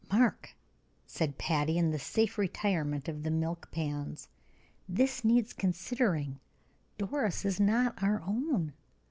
"Mark," said Patty, in the safe retirement of the milk pans, "this needs considering. Doris is not our own.